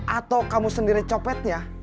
atau kamu sendiri copetnya